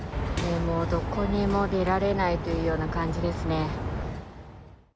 もうどこにも出られないというような感じですね。